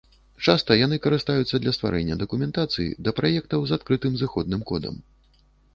Часта яны карыстаюцца для стварэння дакументацыі да праектаў з адкрытым зыходным кодам.